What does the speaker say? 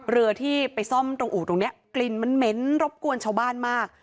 เรือที่ไปซ่อมตรงอู่ตรงนี้กลิ่นมันเหม็นรบกวนชาวบ้านมาก